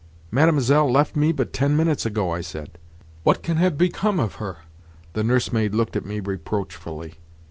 "Mlle. left me but ten minutes ago," I said. "What can have become of her?" The nursemaid looked at me reproachfully.